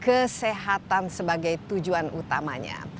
kesehatan sebagai tujuan utamanya